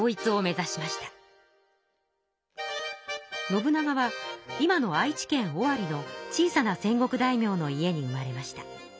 信長は今の愛知県尾張の小さな戦国大名の家に生まれました。